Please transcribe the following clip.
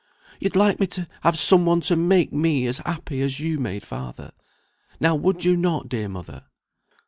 You'd like me to have some one to make me as happy as you made father? Now, would you not, dear mother?"